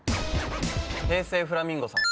「平成フラミンゴ」さん。